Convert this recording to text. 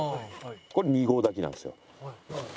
これ２合炊きなんですよ。